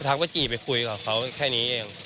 ว่าจีบไปคุยกับเขาแค่นี้เอง